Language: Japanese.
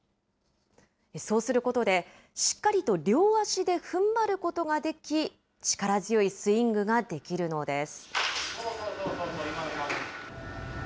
そうすることで、しっかりと両足でふんばることができ、力強いスイングができるのです。